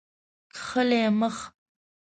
کښلی مخ